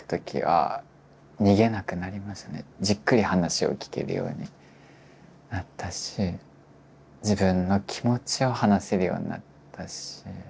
じっくり話を聞けるようになったし自分の気持ちを話せるようになったし。